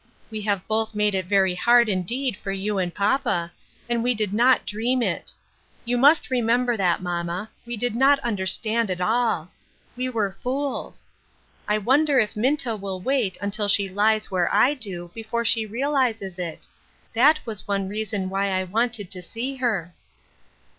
We have both made it very hard indeed for you and papa, and we did not dream it. You must remember that, mamma ; we did not understand at all. We were fools. I wonder if Minta will wait until she lies where I do, before she realizes it ? That was one reason why I wanted to see her."